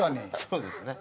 そうですね。